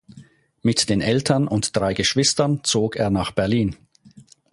Mit den Eltern und drei Geschwistern zog er nach Berlin.